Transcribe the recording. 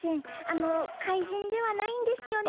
あの怪人ではないんですよね？